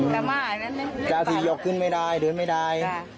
กายังสิยอกขึ้นไม่ได้เดินไม่ได้